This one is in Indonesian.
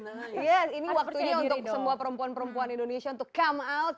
jadi ini waktunya untuk semua perempuan perempuan indonesia untuk keluar